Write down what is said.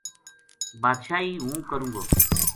بادشاہی ہوں کروں گو‘‘